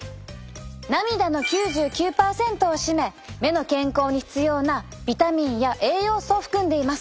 涙の９９％を占め目の健康に必要なビタミンや栄養素を含んでいます。